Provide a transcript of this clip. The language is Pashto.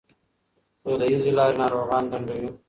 دودیزې لارې ناروغان ځنډوي.